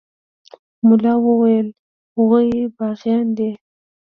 ملا وويل هغوى باغيان دي.